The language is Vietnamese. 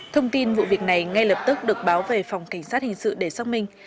thông tin vụ việc này ngay lập tức được báo về phòng cảnh sát hình sự để xác minh